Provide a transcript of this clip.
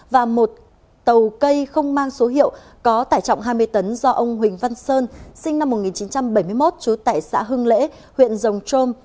và một tàu cây không mang số hiệu có tải trọng hai mươi tấn do ông huỳnh văn sơn sinh năm một nghìn chín trăm bảy mươi một trú tại xã hưng lễ huyện rồng trôm